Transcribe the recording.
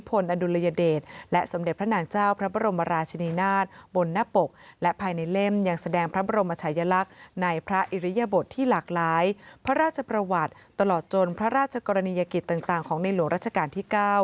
ดุลยเดชและสมเด็จพระนางเจ้าพระบรมราชนีนาฏบนหน้าปกและภายในเล่มยังแสดงพระบรมชายลักษณ์ในพระอิริยบทที่หลากหลายพระราชประวัติตลอดจนพระราชกรณียกิจต่างของในหลวงราชการที่๙